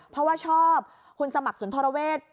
เพราะว่าชอบคุณสมัครสุนทรเวศ